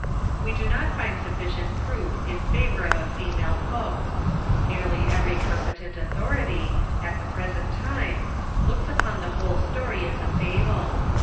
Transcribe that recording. We do not find sufficient proof in favor of a female pope. Nearly every competent authority, at the present time, looks upon the whole story as a fable.